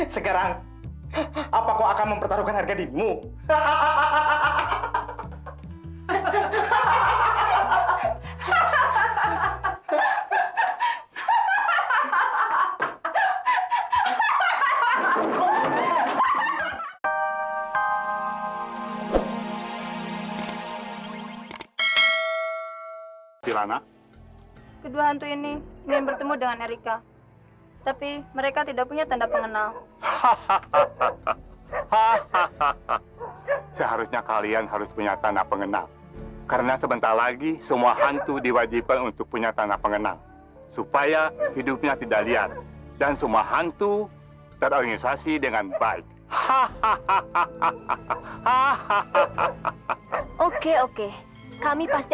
sekarang apakah kau akan mempertaruhkan harga dirimu